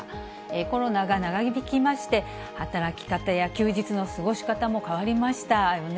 コロナが長引きまして、働き方や休日の過ごし方も変わりましたよね。